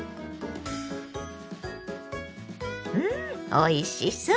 うんおいしそう！